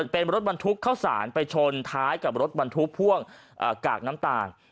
เป็นรถบรรทุกเข้าสารไปชนท้ายกับรถบรรทุกพ่วงกากน้ำตาล